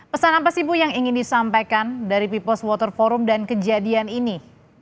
pesan apa sih bu yang ingin disampaikan dari peoples water forum dan kejadian ini